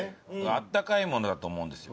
あったかいものだと思うんですよ。